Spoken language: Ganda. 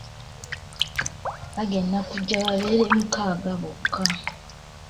Abagenda okujja babeere mukaaga bokka.